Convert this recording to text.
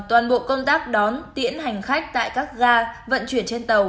toàn bộ công tác đón tiễn hành khách tại các ga vận chuyển trên tàu